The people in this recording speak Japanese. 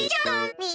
みんな。